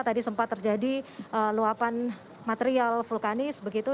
tadi sempat terjadi luapan material vulkanis begitu